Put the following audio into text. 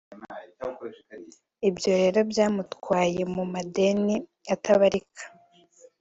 ibyo rero byamutwaye mu madeni (mu myenda) itabarika (high indebtedness)